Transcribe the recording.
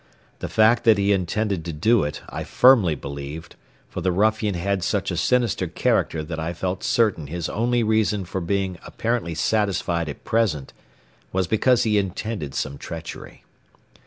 The fact that he intended to do it I firmly believed, for the ruffian had such a sinister character that I felt certain his only reason for being apparently satisfied at present was because he intended some treachery.